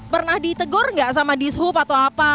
pernah ditegur nggak sama dishub atau apa